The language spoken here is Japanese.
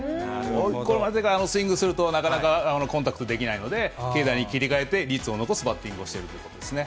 追い込まれてからあのスイングすると、なかなかコンタクトできないので、軽打に切り替えて率を残すバッティングをしているということですね。